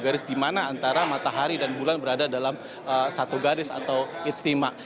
garis di mana antara matahari dan bulan berada dalam satu garis atau ijtima